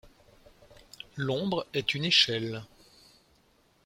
L’ombre est une échelle.